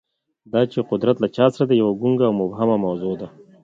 دا چې قدرت له چا سره دی، یوه ګونګه او مبهمه موضوع ده.